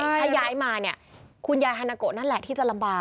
ถ้าย้ายมาเนี่ยคุณยายฮานาโกะนั่นแหละที่จะลำบาก